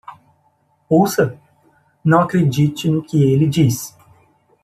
Ouça? não acredite no que ele diz.